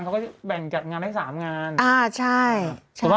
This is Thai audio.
ทรงศาสตร์